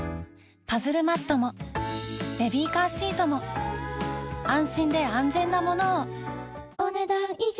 パズルマットもベビーカーシートも安心で安全なものをお、ねだん以上。